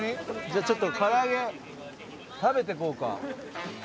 じゃあちょっとからあげ食べてこうか。